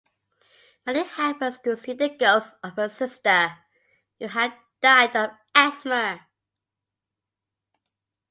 Munni happens to see the ghost of her sister who had died of Asthma.